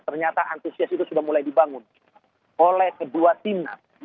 ternyata antusias itu sudah mulai dibangun oleh kedua tim